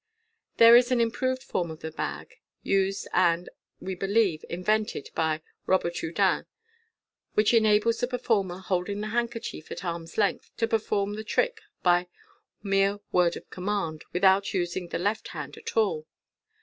There is an improved form of the bag, used, and, we believe, invented by Robert Houdin, which enables the performer, holding the handkerchief at arm's length, to perform the trick by mere word of command, without using the left hand at til.